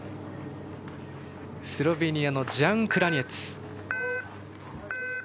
スロベニアのジャン・クラニェツ。